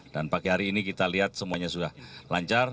pagi hari ini kita lihat semuanya sudah lancar